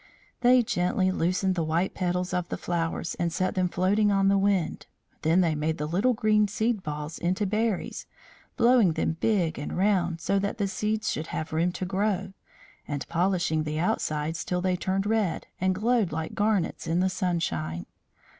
They gently loosened the white petals of the flowers and set them floating on the wind. Then they made the little green seed balls into berries, blowing them big and round so that the seeds should have room to grow, and polishing the outsides till they turned red and glowed like garnets in the sunshine.